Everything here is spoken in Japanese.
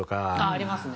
ありますね。